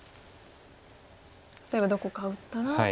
例えばどこか打ったら。